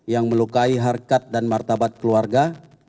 yang melukai harkat dan martabat keluarga